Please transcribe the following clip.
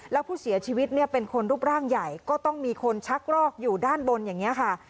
แล้วผู้เสียชีวิตเนี่ยเป็นคนรูปร่างใหญ่ก็ต้องมีคนชักรอกอยู่ด้านบนอย่างนี้ค่ะ